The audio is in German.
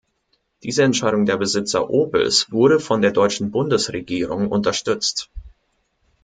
Diese Entscheidung der Besitzer Opels wurde von der deutschen Bundesregierung unterstützt.